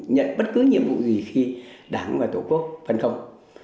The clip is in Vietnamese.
nhận bất cứ nhiệm vụ gì khi đảng và tổ quốc phấn không